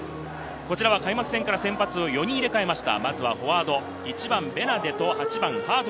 開幕戦から先発を４人入れ替えました。